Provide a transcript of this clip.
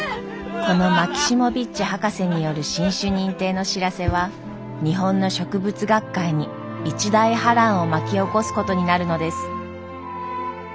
このマキシモヴィッチ博士による新種認定の知らせは日本の植物学界に一大波乱を巻き起こすことになるのです。